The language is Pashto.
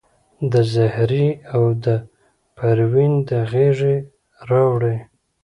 د زهرې او د پروین د غیږي راوړي